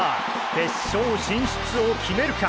決勝進出を決めるか！？